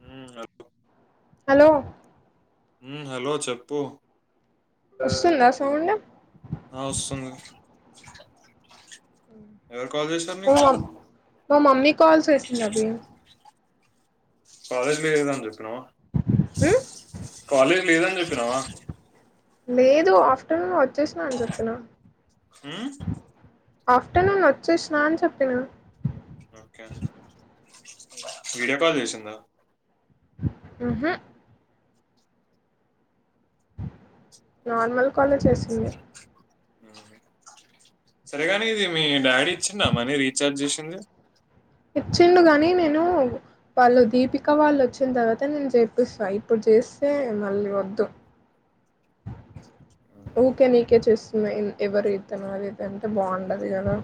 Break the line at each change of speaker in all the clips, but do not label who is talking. హుమ్ ఓ
హలో
మ్ హలో చెప్పు
వస్తుంద సౌండ్
ఆ ఒస్తుంది
మా మ మా మమ్మీ కాల్ చేసింది అభి
కాలేజ్ లేదాని చెప్పినావా
ఉమ్
కాలేజ్ లేదని చెప్పినవా
లేదు ఆఫ్టర్నూన్ ఒచ్చేసినా అని చెప్పిన
హ్మ్
ఆఫ్టర్నూన్ వచ్చేసిన అని చెప్పిన
ఓకే వీడియో కాల్ చేసిందా
మ్ హు నార్మల్ కాలే చేసింది
ఏ ముంది సరేగాని ఇది మీ డాడీ ఇచ్చిందా మనీ రీఛార్జ్ చేసింది.
ఇచ్చిండు గాని నేను వాళ్ళు దీపిక వాళ్ళు వచ్చిన తర్వాత నేను జెపిస్తా ఇప్పుడు చే తెసే మళ్ళి వద్దు
ఉమ్,
ఊకే నీకే చేస్తున్నా ఎవరి ఇతను అదిఇది అంటే బాగుండదు కదా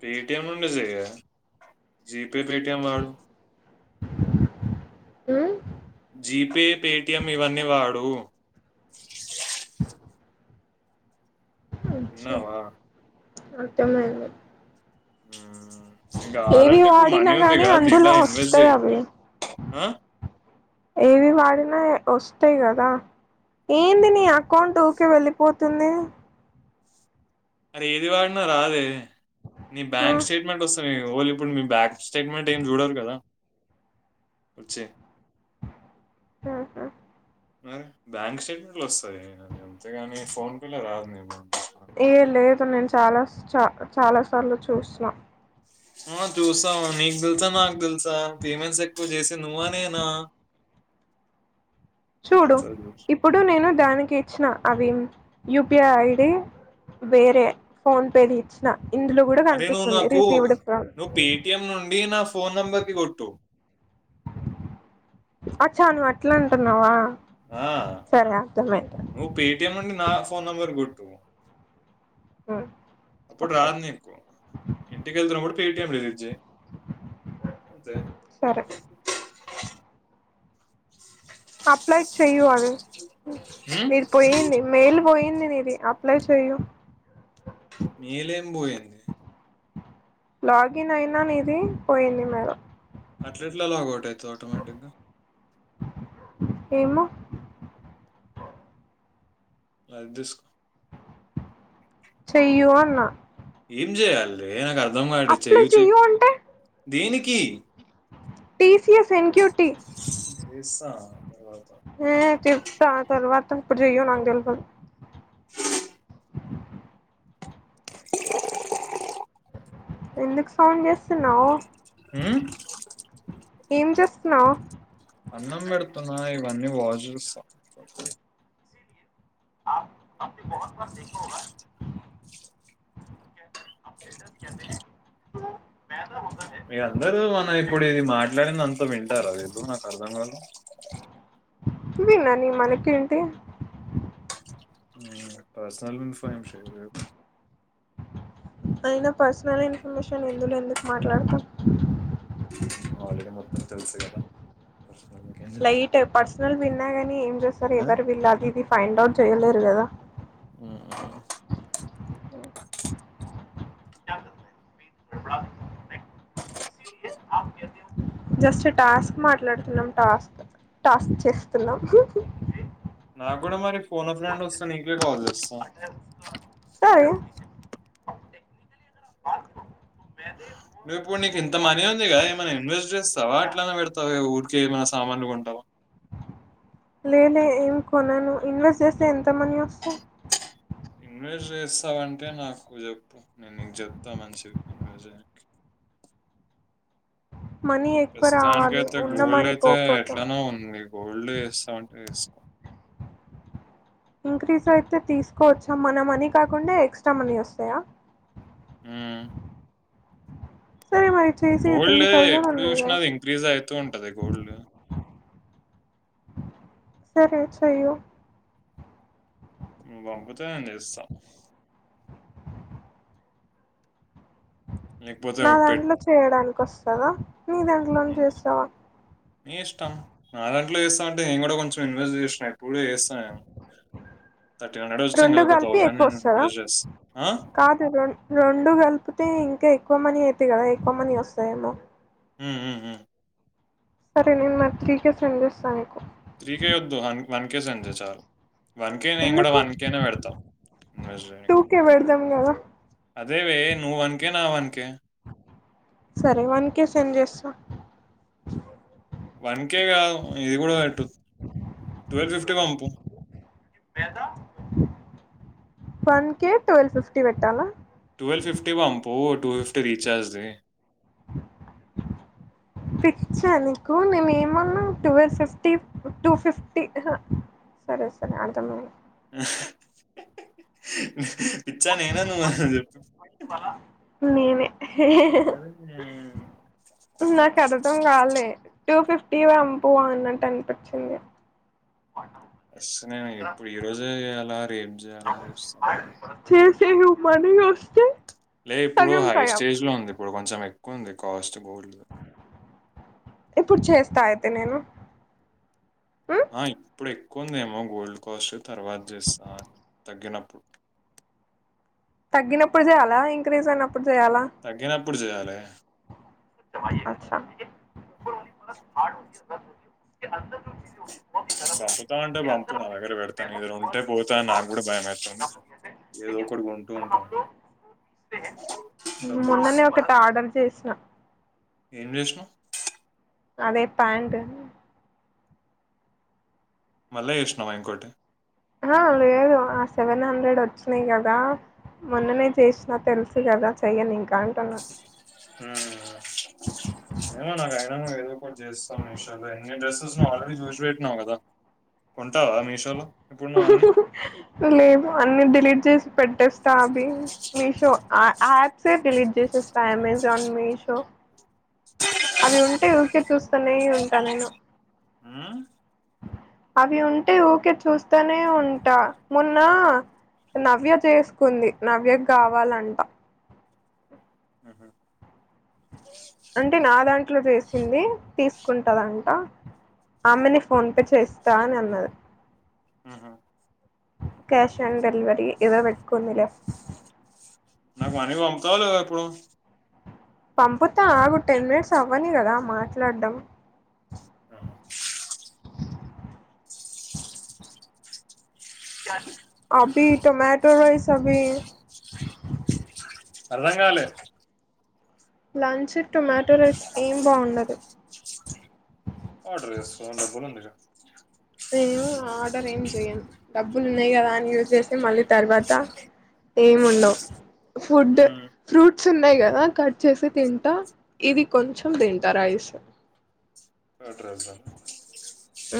పేటిఎం నుండి జేయ్ ఎ జి పే పేటిఎం వాడు
మ్
జీపి ఏ పేటిఎం ఇవన్నీ వాడూ
అచ్చ
తిన్నావా
అర్థమైంది
మ్ నీక్
ఏవి
గావాలంటే ఇప్పుడు మనీ
వాడినా
ఉంది
గాని
గదా దీంట్లో
అందులో
ఇన్వెస్ట్
వస్తాయి
చెయ్
అవి
ఆహ్
ఏవి వాడినా వస్తాయి గదా ఏంది నీ అకౌంట్ ఊకే వెళ్ళిపోతుంది.
అరె ఇది వాడినా రాదే నీ
ఆ
బ్యాంక్ స్టేట్మెంట్ వస్ ఓలు ఇప్పుడు మీ బ్యాక్ స్టేట్మెంట్ ఏం చూడరు కదా వచ్చి
ఆహ
మరి బ్యాంక్ స్టేట్మెంట్లు వస్తాయి అది అంతేగాని ఫోన్ పేల రాదు నీకు
ఏ లేదు నేన్ చాలా చ చాలా సార్లు చూస్నా
ఆ చూసావ్ నీక్ తెలుసా నాక్ తెలుసా పేమెంట్స్ ఎక్కువ చేసేది నువ్వా నేనా చాలా
చూడు
సార్లు చూసి.
ఇప్పుడు నేను దానికిచ్చిన అవి యూపిఐ ఐడి వేరే ఫోన్పేది ఇచ్చిన ఇందులో కూడా
అరే నువ్వ్
కనిపిస్తుంది
నాకు
రిసీవ్డ్ ఫ్రమ్
నువ్వ్ పేటిఎం నుండి నా ఫోన్ నంబర్ కి కొట్టు
అచా నువ్వు అట్ల అంటున్నావా
ఆ
సరే అర్థమైంది
నువ్వు పేటిఎం నుండి నా ఫోన్ నంబర్కి కొట్టు
ఉమ్,
అప్పుడు
ఓకే
రాదు నీకు ఇంటికేళ్తున్నప్పుడు పేటిఎం డిలీట్ చెయ్ అంతే
సరే అప్లై చెయ్యు అది
హ్మ్?
మీరు పోయింది మెయిల్ పోయింది నీది అప్లై చెయ్యు
బోయింది
లాగిన్ అయినా నీది పోయింది మర్
అట్లెట్ల లాగౌట్ అయితవ్ ఆటోమేటిక్ గా
ఏమో
లైట్ దిస్కో
చేయు అన్న
ఏం జేయాల్నే నాక్ అర్ద్
అప్లై చేయూ అంటే
దేనికీ
టీ సి ఎస్ ఎన్క్యూటీకి
చేస్తా తర్వాత
ఊమ్ తిప్పుతా ఆ తర్వాత ఇప్పుడు చెయ్యు నాక్ తెల్వద్ ఎందుక్ సౌండ్ జేస్తున్నావు
ఉమ్
ఏం చేస్తున్నావ్
అన్నం పెడుతున్నా ఇవన్నీ వాష్ జుస్త
ఆప్ బహుత్ దేఖో [unintelligible]
మీ అందరు మనం ఇప్పుడు ఇది మాట్లాడిందంత వింటార వీలు నాక్ అర్థం గాలే
వినని మనకేంటి
పర్సనల్ ఇన్ఫర్మేషన్ ఏం లేదు
అయిన పర్సనల్ ఇన్ఫర్మేషన్ ఇందులో ఎందుకు మాట్లాడతా
ఆల్రెడీ మొత్తం తెలుసుగద
లైట్ పర్సనల్ విన్నా గని ఎం జేస్తారు ఎవరు విళ్ళ అది ఇది ఫైండ్ అవుట్ చెయలేరు గదా
హు మ్ మ్మ్
జస్ట్ టాస్క్ మాట్లాడుతున్నాం టాస్క్ టాస్క్ చేస్తున్నాం
నా గూడా మరి ఫోను ఫ్రెండ్ వస్తే నీకే కాల్ చేస్తా
సరే [inaudible]
నువ్ ఇప్పుడు నీకు ఇంత మనీ ఉంది కద ఏమన ఇన్వెస్ట్ చేస్తావ అట్లనే పెడతా ఊరికే ఆస్ సామాన్లు కొంటావా
లేలే ఏం కొనను ఇన్వెస్ట్ చేస్తే ఎంత మనీ ఒస్తయ్
ఇన్వెస్ట్ చేస్తావంటే నాకు చెప్పు నేన్ నీకు చెప్తా మంచి ఇన్వెస్ట్ చేయనికి
మనీ ఎక్కువ రావాలి
ప్రస్తుతానికైతే
ఉన్న
గోల్డ్
మనీ
అయితే
పోకూడదు
ఎట్లానో ఉంది గోల్డ్ చేస్తావ్ అంటే చేస్కో
ఇంక్రీజ్ అయితే తీసుకోవచ్చా మన మనీ కాకుండా ఎక్సట్రా మనీ వస్తాయా
హ్మ్
సరే మరి చేసి త్రీ
గోల్డె
థౌజండ్
ఎప్పుడు చుసిన
ఉన్నాయి
అది ఇంక్రీజ్ అయిత ఉంటది గోల్డ్
సరే చేయ్యు
నువు పంపుతే నేను చేస్తా లేకపోతే
నా దాంట్లో చేయడానికోస్తదా
హుమ్ నీ ఇష్టం నాధన్ ట్లో చేస్తా అంటే నేను కూడా కొంచెం ఇన్వెస్ట్ చేసిన ఇప్పుడు కూడ చేస్తా నేను
[inaudible]
థర్టీన్ హండ్రెడ్ ఒచ్చింది
రెండు
గా
కలిపి
థౌసండ్
ఎక్కువ
నేన్
వస్తదా
ఇన్వెస్ట్ చేస్ ఆ
కాదు రెం రెండు కలిపితే ఇంకా ఎక్కువ మనీ అయితాయ్ కదా ఎక్కువ మనీ వస్తాయేమొ
హు హు హు మ్
సరే నేను మారి త్రికే సెండ్ చేస్తాను
త్రికే ఒద్దు అన్ వన్కె సెండ్ చెయ్ చాలు వన్కే నేను కూడా
ఎందుకు
వన్కేనే పెడ్తా ఇన్వెస్ట్
టూ
చేయానికి
కే పెడదాం కదా
అదే వె నువ్ వన్కే నా వన్
సరే వన్ కే సెండ్ చేస్తా
వన్కే కదు ఇది కూడా పెటు ట్వెల్వ్ ఫిఫ్టీ పంపు
వన్ కే ట్వీల్వ్ఫిఫ్టీ పెట్టాలా
ట్వెల్ ఫిఫ్టీ పంపు టూ ఫిఫ్టీ రీఛార్జ్ చెయ్
[inaudible] పిచ్చ నీకు నేను ఏమన్నా టువెల్ఫిఫ్టీ టూ ఫిఫ్టీ అహ సరే సరే అర్థమైద్
హ్మ్ పిచ్చా నేనా నువ్వా చెప్
నేనే నాకు అర్థం కాలే టూ ఫిఫ్ టి వంపు అన్నట్టు అనిపిచింది
వస్తున్న నేను ఇప్పుడు ఈ రోజె అలా రే
చేసేయు మనీ వస్తే
లే ఇప్పుడు
సగం
హై
సగం
స్టేజ్ లో ఉంది ఇప్పుడు కొంచెం ఎక్కువవుంది కాస్ట్ గోల్డ్ది
ఇప్పుడు చేస్తా అయితే నేను మ్మ్
ఆ ఇప్పుడు ఎక్కువుందేమో గోల్డ్ కాస్ట్ తర్వాత చేస్తా తగ్గినప్పు
తగినపుడచేయాలా ఇంక్రీజ్ అయినప్
తగ్గినప్పుడు చేయాలె
[inaudible] అందరు
పంపుతావంటే వంపు నా దగ్గర పెడుతా నిదగ్గర ఉంటే పోతాయ్ అని నాక్కుడా భయమాయితుంది ఏదొ ఒకటికి కొంటూ ఉంటావ్
మొన్ననే ఒకటి ఆర్డర్ చే
ఎం చెష్ణవ్
అదే ప్యాంట్
మల్ల చెష్ణవ ఇంకోటి
ఆ లేదు ఆ సెవెన్ హండ్రెడ్ వచ్చినయ్ గదా మొన్ననె చేశ్న తెల్సు కదా చెయ్యన్ ఇంకా అంటున్నా
ఆ ఏదో ఒకటి చేస్తాం మీషోలో నీ డ్రెస్సెస్ నువ్ ఆల్రెడీ చూసి వెట్నవ్ కదా కొంటవ మీషోలో ఇప్పుడు నువ్వు అన్ని
లేదు అన్ని డిలీట్ చేసి పెట్టేస్తా అవ్వి మీషో ఆ అప్సే డిలీట్ చేసేస్త అమెజాన్ మీషో అవి ఉంటే ఊర్కే చూస్తనే ఉంట నేను
హుమ్
అవి ఉంటె ఊకే చూస్తనే ఉంట మొన్నా నవ్య చేస్కుంది నవ్యక్ గావాలంట
ఉహు
అంటె నా దాంట్లొ చేసింది తీస్కుంటదంట ఆమెనె ఫోన్పే చేస్తా అని అన్నది
మ్ హు
కాష్ ఆన్ డెలివరి ఎదో పెట్టుకుంది లే
నాక్ మని వంప్తవ లేదా ఇప్పుడు
పంపుత ఆగు టెన్ మినిట్స్ అవ్వని గద మాట్లాడ్డం
ఉహు.
అబ్బి టమాటో రైస్ అభీ
అర్థంగాలె
లంచ్ టొమాటో రైస్ ఏం బావుండదు
ఆర్డర్ చేస్కో డబ్బులుందిగా
ఏమో ఆర్డర్ ఏం చెయ్యన్ డబ్బుల్ ఉన్నయ్ గదా అని యూజ్ చేస్తె మళ్ళీ తర్వాత
ఉమ్,
ఏముండవ్ ఫుడ్డ్
ఉమ్,
ఫ్రూట్స్ ఉన్నయ్ కదా కట్ చేసి తింటా ఇది కొంచం దింట రైస్
బెటర్
మ్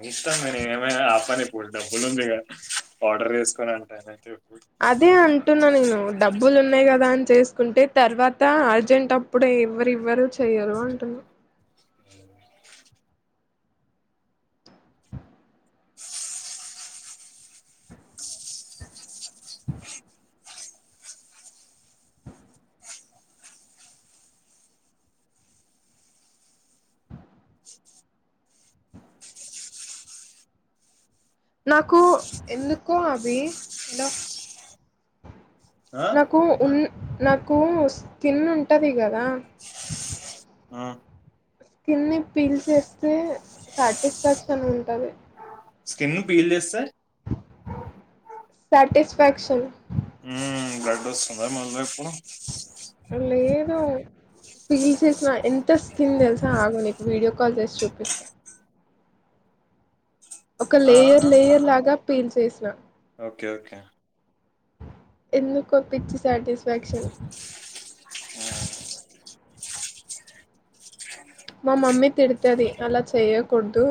నీ ఇష్టం నేన్ ఏమైనా ఆపన్ ఇప్పుడు డబ్బుల్ ఉంది గద ఆర్డర్ చేస్కో అని [unintelligible]
అదే అన్ టున్న నేను డబ్బులు ఉన్నయ్ గదా అని చేస్కుంటె తర్వాత అర్జెంట్ అప్పుడేవ్వరివ్వరు చె య్యరు అంటున్న నాకు ఎందుకో అబి హలో నాకు ఉన్ నాకు స్కిన్ ఉంటది కదా స్కిన్ ని పీల్ చేస్తే సాటిస్ఫాక్షన్ ఉంటది
స్కిన్న్ పీల్ చేస్తే
సాటిస్ఫాక్షన్
డోస్తుంద మళ్ళ ఇప్పుడు
లేదు పీల్ చేస్న ఎంత స్కిన్ తెల్సా ఆగు నీక్ వీడియో కాల్ చేసి చూపిస్త ఒక లేయర్ లేయర్ లాగా పీల్ చేస్న
ఒకె ఒకే
ఎందుకో పిచ్చి సాటిస్ఫాక్షన్ మ మమ్మి తిడ్తది అలా చెయ్యకూడ్దు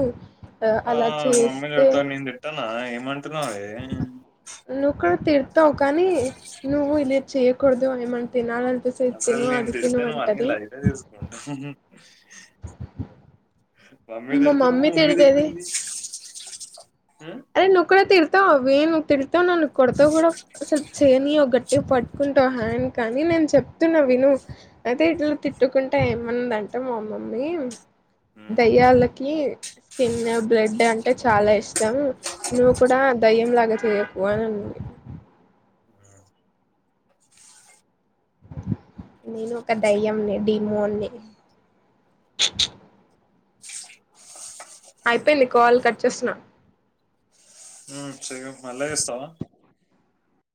ఆ
ఆ మమ్మి తిడ్తద్ నేన్ దిట్టనా ఏమ్ అంటున్నవే
నువ్ కూడ తిడ్తవ్ కానీ నువ్వు ఇలా చేయకూడదు ఏమన్న తినాలన్పిస్
అసల్ నేన్ తిడ్తే అన్ని లైటె తీస్కుంటవ్ మమ్మి తిడ్తే మా
మమ్మీ
మమ్మి
తిడుతది
తిట్టింది. ఉమ్,
అరే నుకుడ తిడ్తావ్ వె నువ్వ్ తిడ్తావ్ నన్ను కొడ్తవ్ కూడ అసల్ చేయనియ్యవ్. గట్టిగ్ పట్కుంటవ్ హాండ్ కానీ నేను చెప్ ప్తున్న విను ఐతే ఇట్ల తిట్టుకుంట ఏమనిందంటె మా మమ్మీ
ఉమ్,
దయ్యాలకి స్కిన్ బ్లడ్ అంటే చాలా ఇష్టం నువ్వు కూడా దయ్యం లాగా చేయకు అన్
ఉమ్,
నేను ఒక దయ్యంని డెమోన్నీ అయిపోయింది కాల్ల్ కట్ చేస్తున్న
మ్ చేయ్యు మళ్ళ చేస్తావా